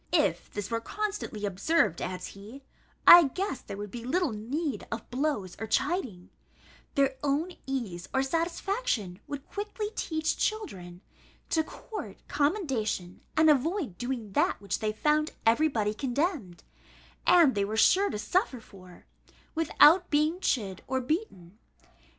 If this were constantly observed," adds he, "I guess there would be little need of blows or chiding: their own ease or satisfaction would quickly teach children to court commendation, and avoid doing that which they found every body condemned, and they were sure to suffer for, without being chid or beaten.